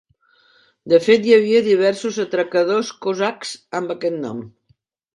De fet, hi havia diversos atracadors cosacs amb aquest nom.